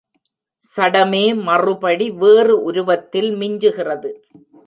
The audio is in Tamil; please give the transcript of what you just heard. சடமே மறுபடி வேறு உருவத்தில் மிஞ்சுகிறது.